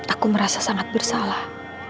aku merasa sangat bersalah